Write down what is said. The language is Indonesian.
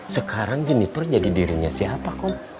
sekarang jeniper jadi dirinya siapa kum